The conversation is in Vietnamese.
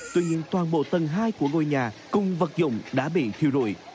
tuy nhiên toàn bộ tầng hai của ngôi nhà cùng vật dụng đã bị thiêu rụi